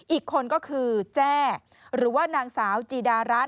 อีกคนก็คือแจ้หรือว่านางสาวจีดารัฐ